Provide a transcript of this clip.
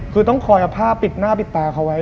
คือต้องคอยเอาผ้าปิดหน้าปิดตาเขาไว้